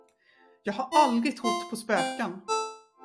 Jag har aldrig trott på spöken.